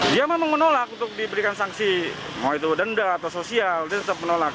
dia memang menolak untuk diberikan sanksi mau itu denda atau sosial dia tetap menolak